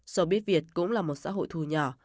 so biết việt cũng là một xã hội thù nhỏ